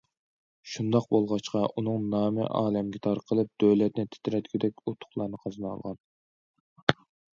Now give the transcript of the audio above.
شۇنداق بولغاچقا، ئۇنىڭ نامى ئالەمگە تارقىلىپ، دۆلەتنى تىترەتكۈدەك ئۇتۇقلارنى قازىنالىغان.